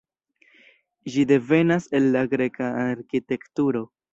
Ĝi devenas el la greka arkitekturo.